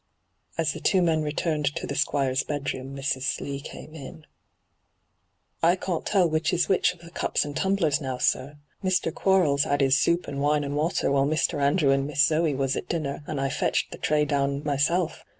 As the two men returned to the Squire's bedroom Mrs. Slee came in. • I can't tell which is which of the cups and tumblers now, sir. Mr. Quarles had 'is soup and wine and water while Mr. Andrew and Miss Zoe was at dinner, and I fetched the tray down myself.